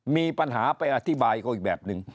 มีปัญหาไปอธิบายก็อีกแบบหนึ่ง